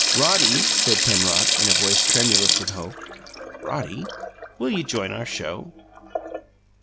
"Roddy," said Penrod, in a voice tremulous with hope, "Roddy, will you join our show?"